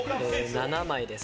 ７枚です。